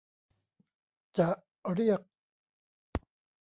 จะเรียก